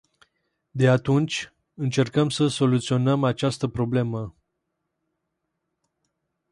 De atunci, încercăm să soluționăm această problemă.